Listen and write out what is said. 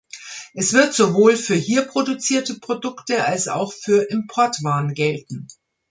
Es wird sowohl für hier produzierte Produkte als auch für Importwaren gelten.